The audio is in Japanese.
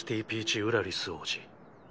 ＝ウラリス王子。